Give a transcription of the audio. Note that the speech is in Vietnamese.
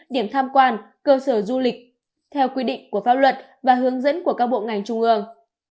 điểm tham quan cơ sở du lịch theo quy định của pháp luật và hướng dẫn của các bộ ngành trung ương